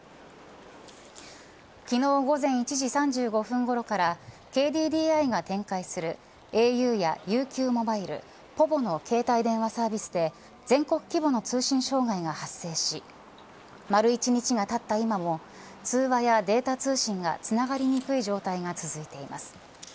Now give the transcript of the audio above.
昨日、午前１時３５分ごろからＫＤＤＩが展開するａｕやＵＱモバイル、ｐｏｖｏの携帯電話サービスで全国規模の通信障害が発生し丸１日がたった今も通話やデータ通信がつながりにくい状態が続いています。